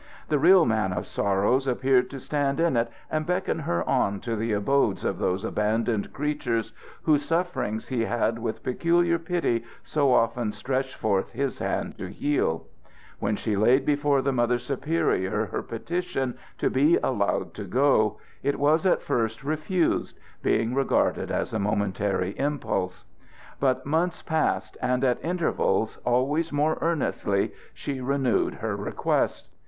The real Man of Sorrows appeared to stand in it and beckon her on to the abodes of those abandoned creatures whose sufferings he had with peculiar pity so often stretched forth his hand to heal. When she laid before the Mother Superior her petition to be allowed to go, it was at first refused, being regarded as a momentary impulse; but months passed, and at intervals, always more earnestly, she renewed her request.